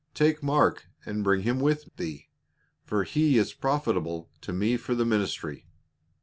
Take Mark and bring him with thee, for he is profitable to me for the ministry.